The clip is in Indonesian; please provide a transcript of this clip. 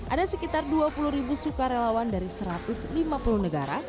ada sekitar dua puluh ribu sukarelawan dari satu ratus lima puluh negara